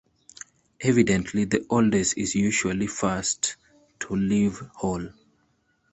Evidently the oldest is usually the first to leave hole.